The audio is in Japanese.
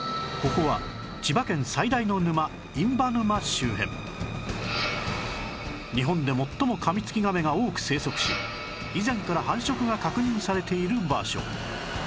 ここは日本で最もカミツキガメが多く生息し以前から繁殖が確認されている場所